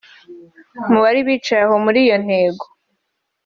Mu bari bicaye aho muri iyo ntego